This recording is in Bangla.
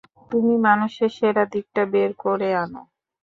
তুমি মানুষের সেরা দিকটা বের করে আনো।